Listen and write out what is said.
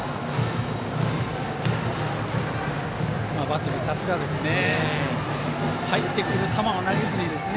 バッテリーはさすがです。